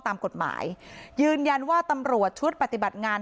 ตามกฎหมายยืนยันว่าตำรวจชุดปฏิบัติงาน